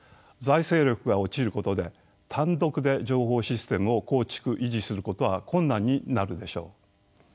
財政力が落ちることで単独で情報システムを構築・維持することは困難になるでしょう。